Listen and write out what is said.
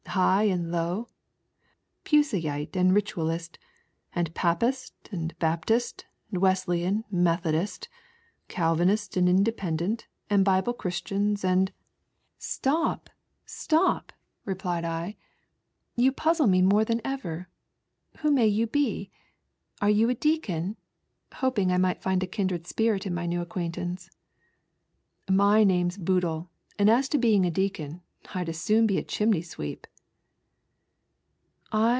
" High and Low, and Puseyite and Ritualist, and Papist and Baptist, and Wesleyan and Methodist, and Calvinist and Independent, and Bible Christians WHY I CAME TO LOUDON. ^Hoid Stop, stop," replied I, "you pozzle me more 1 ever; who may you be? are you a. deacon?" hopiug I might find a kindred spirit in my new acquaintance. "My name's Boodle ; and as to being a Deacon, I'd as 800D be a chimney sweep."